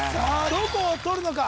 どこをとるのか？